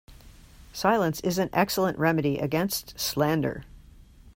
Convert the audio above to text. Silence is an excellent remedy against slander.